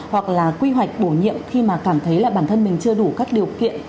hoặc là quy hoạch bổ nhiệm khi mà cảm thấy là bản thân mình chưa đủ các điều kiện